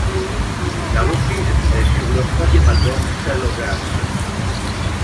La reprise est sur leur troisième Album Celloverse.